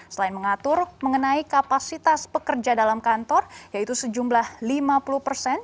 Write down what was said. selain mengatur mengenai kapasitas pekerja dalam kantor yaitu sejumlah lima puluh persen